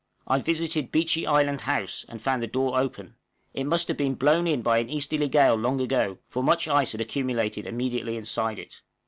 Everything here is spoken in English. I visited Beechey Island house, and found the door open; it must have been blown in by an easterly gale long ago, for much ice had accumulated immediately inside it.